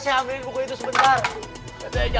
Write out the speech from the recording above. sebab buku itu itu sebetulnya